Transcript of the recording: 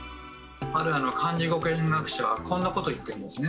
ある漢字語源学者はこんなことを言ってるんですね。